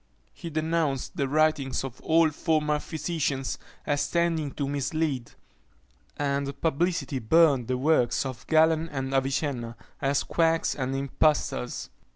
He denounced the writings of all former physicians as tending to mislead; and publicly burned the works of Galen and Avicenna, as quacks and impostors.